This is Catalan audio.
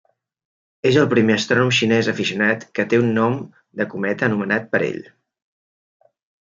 És el primer astrònom xinès aficionat que té un nom de cometa anomenat per ell.